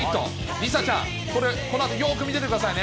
梨紗ちゃん、これ、このあと、よく見ていてくださいね。